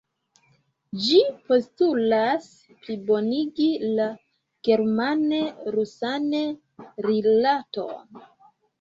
Ĝi postulas plibonigi la german-rusan rilaton.